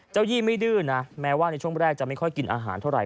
ยี่ไม่ดื้อนะแม้ว่าในช่วงแรกจะไม่ค่อยกินอาหารเท่าไห